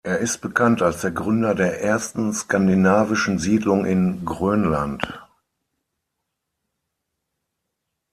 Er ist bekannt als der Gründer der ersten skandinavischen Siedlung in Grönland.